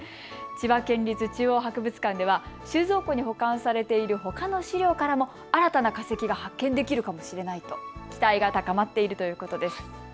千葉県立中央博物館では収蔵庫に保管されているほかの資料からも新たな化石が発見できるかもしれないと期待が高まっているということです。